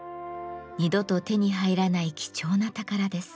二度と手に入らない貴重な宝です。